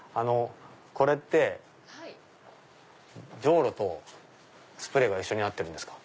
これってじょうろとスプレーが一緒になってるんですか？